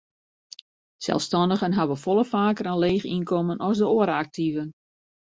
Selsstannigen hawwe folle faker in leech ynkommen as de oare aktiven.